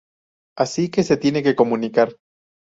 Así que se tienen que comunicar...